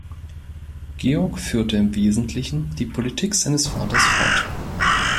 Georg führte im Wesentlichen die Politik seines Vaters fort.